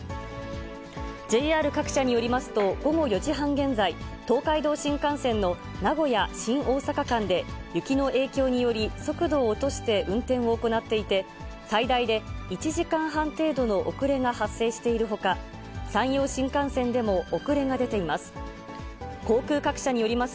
ＪＲ各社によりますと、午後４時半現在、東海道新幹線の名古屋・新大阪間で雪の影響により、速度を落として運転を行っていて、最大で１時間半程度の遅れが発生しているほか、山陽新幹線でも遅れが出ています。